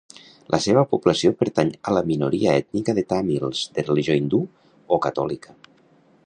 La seva població pertany a la minoria ètnica de tàmils de religió hindú o catòlica.